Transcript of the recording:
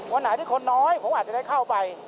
วันไหนที่คนน้อยผมอาจจะได้เข้าไป